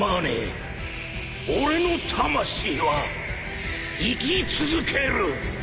俺の魂は生き続ける！